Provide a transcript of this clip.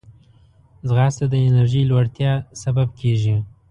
ځغاسته د انرژۍ لوړتیا سبب کېږي